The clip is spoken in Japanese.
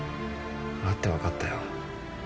会って分かったよ。